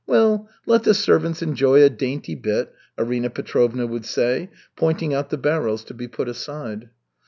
Well, let the servants enjoy a dainty bit," Arina Petrovna would say, pointing out the barrels to be put aside.